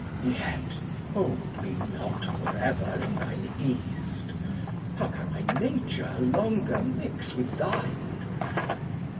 Yet hold me not for ever in thine East: How can my nature longer mix with thine?